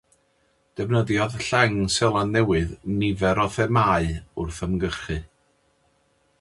Defnyddiodd Lleng Seland Newydd nifer o themâu wrth ymgyrchu.